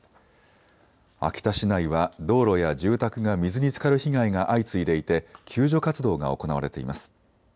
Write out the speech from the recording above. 秋田市内は道路や住宅が水につかる被害が相次いでいて救助活動が行われています。